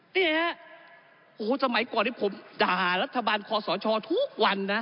นี่ฮะโอ้โหสมัยก่อนที่ผมด่ารัฐบาลคอสชทุกวันนะ